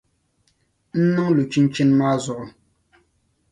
N nin lu chinchini maa zuɣu.